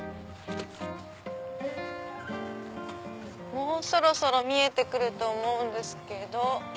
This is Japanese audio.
もうそろそろ見えて来ると思うんですけど。